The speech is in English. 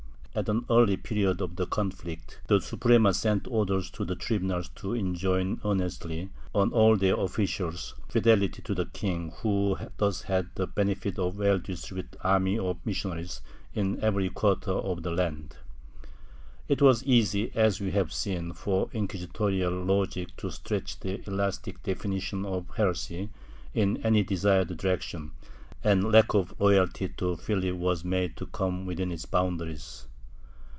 At an early period of the conflict, the Suprema sent orders to the tribunals to enjoin earnestly, on all their officials, fidelity to the king, who thus had the benefit of a well distributed army of mis sionaries in every quarter of the land.^ It was easy, as we have seen, for incjuisitorial logic to stretch the elastic definition of heresy in any desired direction, and lack of loyalty to Philip was made to come within its boundaries.